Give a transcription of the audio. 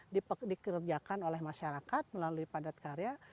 dikerjakan oleh masyarakat melalui padat karya